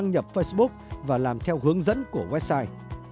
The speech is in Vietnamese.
chủ tài khoản đăng nhập facebook và làm theo hướng dẫn của website